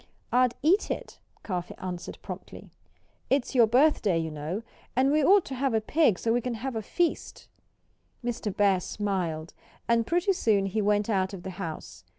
"I'd eat it," Cuffy answered promptly. "It's your birthday, you know. And we ought to have a pig so we can have a real feast." Mr. Bear smiled. And pretty soon he went out of the house.